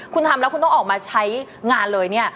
คุณทำแล้วคุณต้องออกมาใช้งานเลยเนี่ย